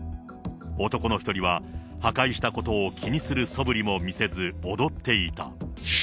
男の１人は、破壊したことを気にするそぶりも見せず、踊っていた。